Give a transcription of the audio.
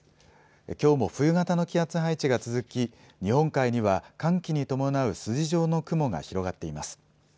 きょうも冬型の気圧配置が続き日本海には寒気に伴う筋状の雲が広がっています。